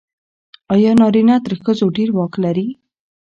آیا نارینه تر ښځو ډېر واک لري؟